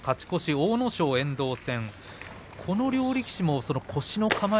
阿武咲、遠藤戦。